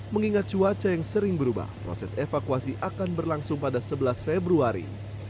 mengingat cuaca yang sering berubah proses evakuasi akan berlangsung pada sebelas februari